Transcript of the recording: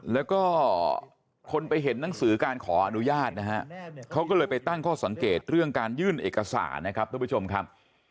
แล้วก็คนไปเห็นหนังสือการขออนุญาตนะฮะเขาก็เลยไปตั้งข้อสังเกตเรื่องการยื่นเอกสารนะครับทุกผู้ชมครับ